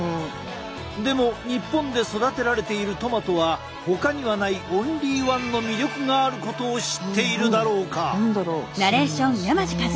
でも日本で育てられているトマトはほかにはないオンリーワンの魅力があることを知っているだろうか？